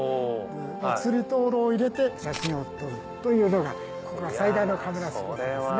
つり灯籠を入れて写真を撮るというのがここが最大のカメラスポットですね。